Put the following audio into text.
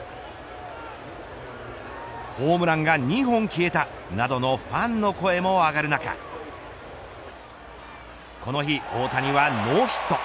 ホームランが２本消えたなどのファンの声も上がる中この日、大谷はノーヒット。